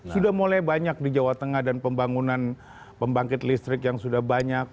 sudah mulai banyak di jawa tengah dan pembangunan pembangkit listrik yang sudah banyak